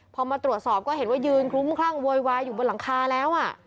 พอมาตรวจสอบก็เห็นว่ายืนคลุ้มคลั่งโวยวายอยู่บนหลังคาแล้ว